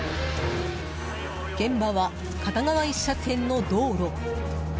現場は片側１車線の道路。